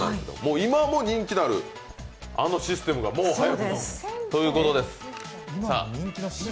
今も人気のあるあのシステムがもう早くもということです。